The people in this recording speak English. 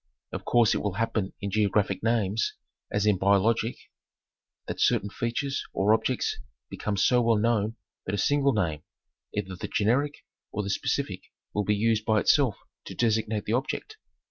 Of course it will happen in geographic names, as in biologic, that certain features or objects become so well known that a single name, either the generic or the specific will be used by itself to designate the object.